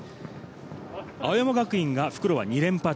青山学院が復路は２連覇中。